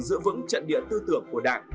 giữ vững trận địa tư tưởng của đảng